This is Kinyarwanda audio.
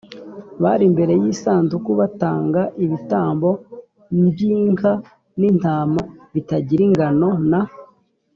bari imbere y isanduku batamba ibitambo m by inka n intama bitagira ingano n